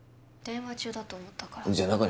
電話中だと思ったからじゃ